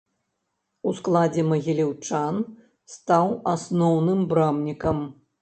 У складзе магіляўчан стаў асноўным брамнікам.